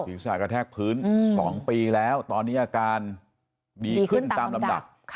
ศีรษะกระแทกพื้น๒ปีแล้วตอนนี้อาการดีขึ้นตามลำดับ